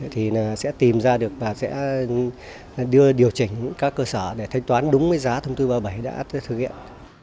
thì sẽ tìm ra được và sẽ đưa điều chỉnh các cơ sở để thanh toán đúng với giá thông tư ba mươi bảy đã thực hiện